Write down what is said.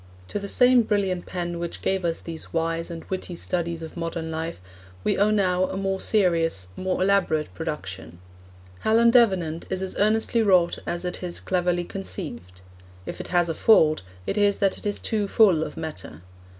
To the same brilliant pen which gave us these wise and witty studies of modern life we owe now a more serious, more elaborate production. Helen Davenant is as earnestly wrought out as it is cleverly conceived. If it has a fault, it is that it is too full of matter.